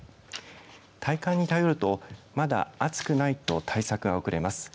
体感に頼ると、まだ暑くないと対策が遅れます。